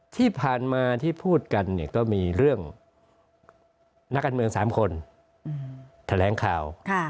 ที่ผ่านมาที่พูดกันเนี่ยก็มีเรื่องนักการเมือง๓คนแถลงข่าว